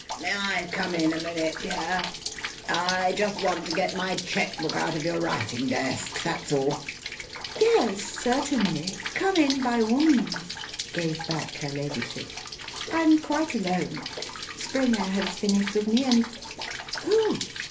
May I come in a minute, dear? I just want to get my cheque book out of your writing desk that's all." "Yes, certainly. Come in by all means," gave back her ladyship. "I'm quite alone. Springer has finished with me, and oh!